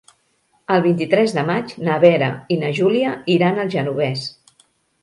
El vint-i-tres de maig na Vera i na Júlia iran al Genovés.